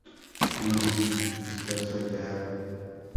Aun así, estas fallaron.